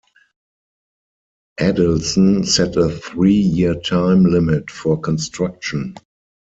Adelson set a three-year time limit for construction.